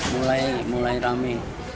mulai mulai rame